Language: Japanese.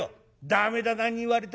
「駄目だ何言われたって。